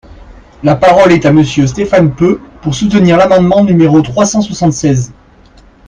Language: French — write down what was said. La parole est à Monsieur Stéphane Peu, pour soutenir l’amendement numéro trois cent soixante-seize.